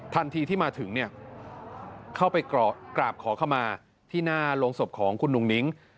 ทันทีที่มาถึงเนี่ยเข้าไปกราบขอเข้ามาที่หน้าโรงศพของคุณนุ่งนิ้ง